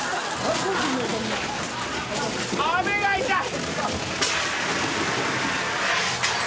目が痛い。